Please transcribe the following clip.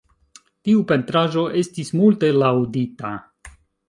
Tiu pentraĵo estis multe laŭdita.